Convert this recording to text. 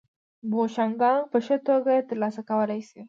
بوشونګان په ښه توګه یې ترسره کولای شي